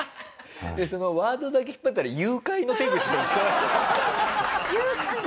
そのワードだけ引っ張ったら誘拐の手口と一緒だって。